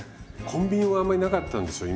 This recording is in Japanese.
コンビニもあんまりなかったんですよ。